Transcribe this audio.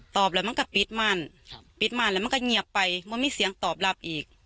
แล้วมันก็ปิดมั่นปิดมั่นแล้วมันก็เงียบไปมันมีเสียงตอบรับอีก